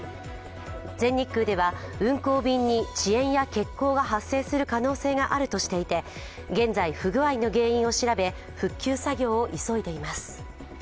全日空では運航便に遅延や欠航が発生する可能性があるとして現在、不具合の原因を調べ復旧作業を急いでいます。